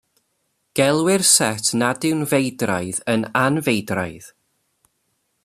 Gelwir set nad yw'n feidraidd yn anfeidraidd.